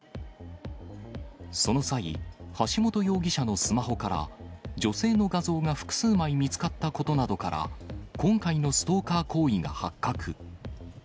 その際、橋本容疑者のスマホから、女性の画像が複数枚見つかったことなどから、今回のストーカー行為が発覚。